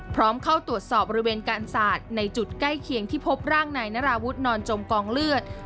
พร้อมเข้าตรวจสอบบริเวณการสาดในจุดใกล้เคียงที่พบร่างนายนาราวุฒินอนจมกองเลือด